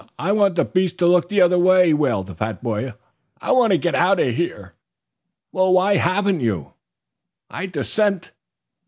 I want the beast to look the other way," wailed the fat boy. "I want to get out of here." "Well, why haven't you?" "I dassent."